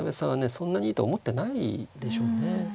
そんなにいいと思ってないでしょうね。